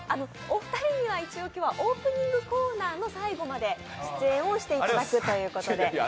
お二人には一応、オープニングコーナーの最後まで出演をしていただくということで。